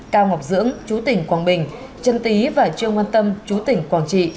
cao ngọc dưỡng chú tỉnh quảng bình trân tý và trương văn tâm chú tỉnh quảng trị